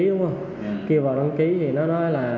đúng không kêu vào đăng ký thì nó nói là